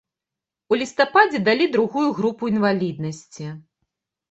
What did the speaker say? У лістападзе далі другую групу інваліднасці.